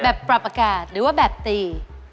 ปรับอากาศหรือว่าแบบตี